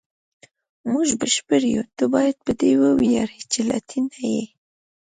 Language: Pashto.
موږ بشپړ یو، ته باید په دې وویاړې چې لاتین نه یې.